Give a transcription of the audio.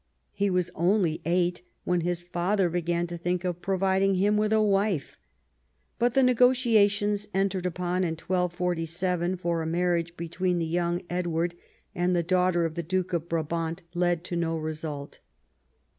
He was only eight when his father began to think of providing him with a wife. But the negotiations entered upon in 1247 for a marriage between the young Edward and a daughter of the Duke of Brabant led to no result.